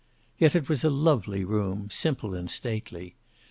Yet it was a lovely room, simple and stately.